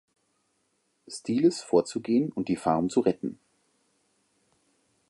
Stiles vorzugehen und die Farm zu retten.